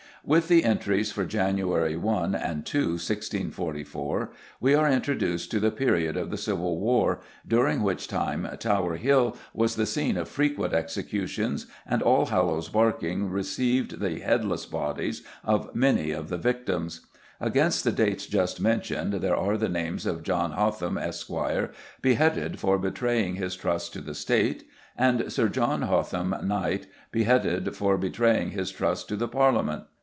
With the entries for January 1 and 2, 1644, we are introduced to the period of the Civil War, during which time Tower Hill was the scene of frequent executions and Allhallows Barking received the headless bodies of many of the victims. Against the dates just mentioned there are the names of John Hotham, Esq., "beheaded for betraying his trust to the State," and Sir John Hotham, Knt., "beheaded for betraying his trust to the Parliament."